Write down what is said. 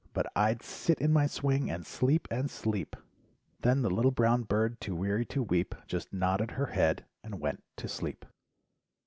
But I'd sit in my swing and sleep and sleep—•" Then the little brown bird too weary to weep Just nodded her head and went to sleep.